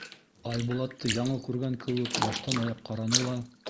Айбулатты яңы күргән кеүек, баштан аяҡ ҡараны ла: